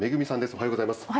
おはようございます。